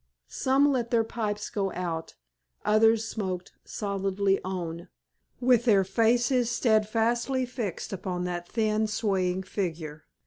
Some let their pipes go out, others smoked stolidly on, with their faces steadfastly fixed upon that thin, swaying figure.